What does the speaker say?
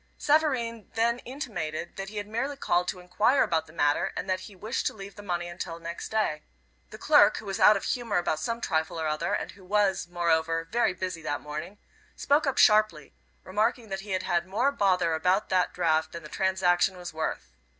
Savareen then intimated that he had merely called to enquire about the matter, and that he wished to leave the money until next day. The clerk, who was out of humor about some trifle or other, and who was, moreover, very busy that morning, spoke up sharply, remarking that he had had more bother about that draft than the transaction was worth.